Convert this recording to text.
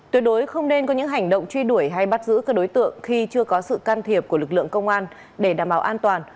tuyệt đối không nên có những hành động truy đuổi hay bắt giữ các đối tượng khi chưa có sự can thiệp của lực lượng công an để đảm bảo an toàn